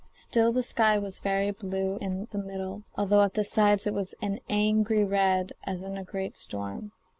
Still the sky was very blue in the middle, although at the sides it was an angry red as in a great storm.